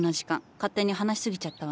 勝手に話しすぎちゃったわね。